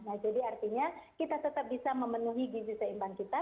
nah jadi artinya kita tetap bisa memenuhi gizi seimbang kita